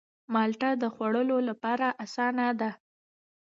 مالټه د خوړلو لپاره آسانه ده.